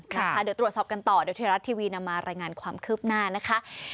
ค่ะเดี๋ยวตรวจสอบกันต่อโดยเทียรัตน์ทีวีนำมารายงานความคืบหน้านะคะ